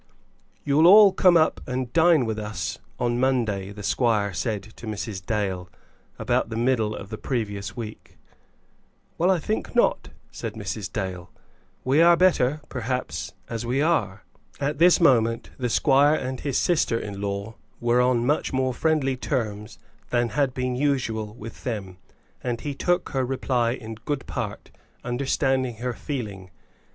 "You'll all come up and dine with us on Monday," the squire said to Mrs. Dale, about the middle of the previous week. "Well, I think not," said Mrs. Dale; "we are better, perhaps, as we are." At this moment the squire and his sister in law were on much more friendly terms than had been usual with them, and he took her reply in good part, understanding her feeling.